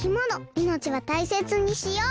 いのちはたいせつにしよう。